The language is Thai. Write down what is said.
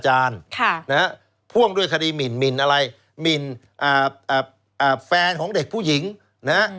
ค่ะนะฮะพ่วงด้วยคดีมินมินอะไรมินอ่าแฟนของเด็กผู้หญิงนะ